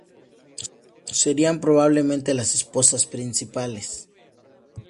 Serían probablemente las esposas principales.